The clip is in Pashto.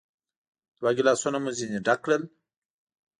دوه ګیلاسونه مو ځینې ډک کړل.